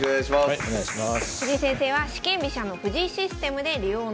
はいお願いします。